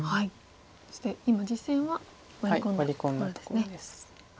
そして今実戦はワリ込んだところです。